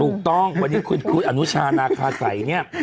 ถูกต้องวันนี้คุณครูอนุชานาคาสัยเนี่ย